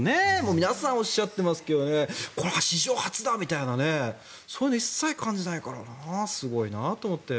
皆さんおっしゃってますけどこれは史上初だみたいなそういうのを一切感じないからすごいなと思って。